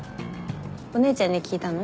お姉ちゃんに聞いたの？